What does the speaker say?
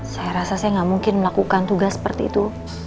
saya rasa saya nggak mungkin melakukan tugas seperti itu